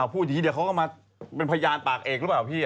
พูดอย่างนี้เดี๋ยวเขาก็มาเป็นพยานปากเอกหรือเปล่าพี่